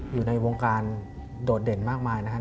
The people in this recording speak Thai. อยู่ในวงการโดดเด่นมากมายนะครับ